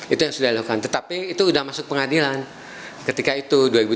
itu yang sudah dilakukan tetapi itu sudah masuk pengadilan ketika itu dua ribu tujuh belas